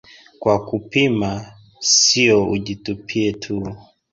"Kwa kupima, sio ujitupie tu"